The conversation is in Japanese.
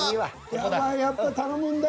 やばいやっぱ頼むんだ。